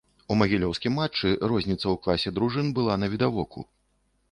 У магілёўскім матчы розніца ў класе дружын была навідавоку.